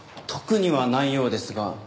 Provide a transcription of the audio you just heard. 特にはないようですが。